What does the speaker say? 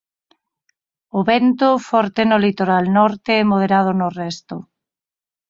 O vento, forte no litoral norte e moderado no resto.